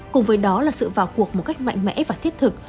cùng với đó là sự vào cuộc một cách mạnh mẽ và thiết thực